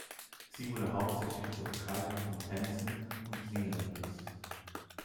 Sie wurde hauptsächlich zur Begleitung von Tänzen und Liedern benutzt.